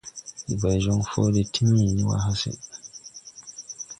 Ndi bay jɔŋ fɔʼɔ de timini wà hase.